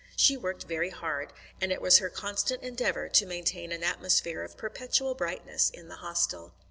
She worked very hard, and it was her constant endeavour to maintain an atmosphere of perpetual brightness in the Hostel.